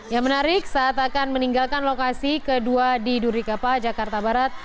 yang menarik saat akan meninggalkan lokasi kedua di durikapa jakarta barat